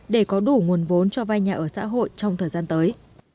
để có đủ nguồn vốn cho vay nhà ở xã hội trong thời gian tới